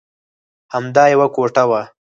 همدا یوه کوټه وه.